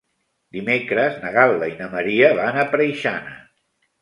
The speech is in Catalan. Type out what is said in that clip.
Dimecres na Gal·la i na Maria van a Preixana.